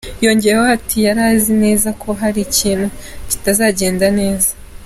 Yongeyeho ati “Yari azi neza ko hari ikintu kitagendaga neza.